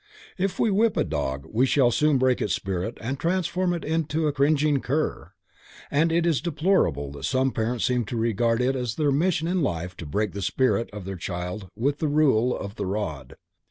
If we whip a dog, we shall soon break its spirit and transform it into a cringing cur, and it is deplorable that some parents seem to regard it as their mission in life to break the spirit of their children with the rule of the rod.